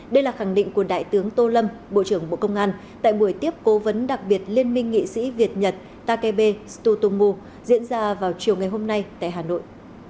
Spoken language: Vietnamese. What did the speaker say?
đây là khẳng định của đại tướng tô lâm bộ trưởng bộ công an tại buổi tiếp cố vấn đặc biệt liên minh nghị sĩ việt nhật takebe tsutomu diễn ra vào chiều ngày hôm nay tại hà nội